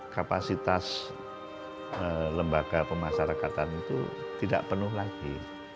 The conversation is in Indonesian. kapasitas lembaga pemasarakatan itu tidak penuh lagi